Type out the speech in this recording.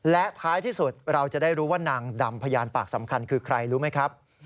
และท้ายที่สุดเราจะได้รู้ว่านางดำพยานปากสำคัญคือใครรู้ไหมครับ